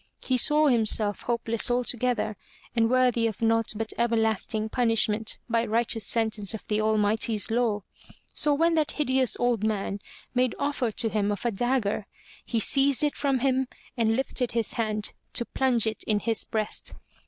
He saw himself hopeless altogether and worthy of naught but ever lasting punishment by righteous sentence of the Almighty's law. So when that hideous old man made offer to him of a dagger, he seized it from him and lifted his hand to plunge it in his breast.